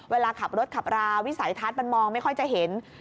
เวลาขับรถขับราวิสัยทัศน์มันมองไม่ค่อยจะเห็น